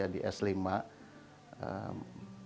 halil itu merupakan masih merupakan atlet andalan kita